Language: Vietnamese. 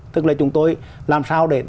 tức là chúng tôi làm sao để